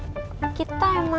kita emang ditakdirkan